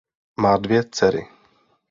Má dvě dcery.